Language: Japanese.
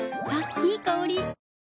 いい香り。